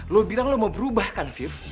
lo bilang lo mau berubah kan fit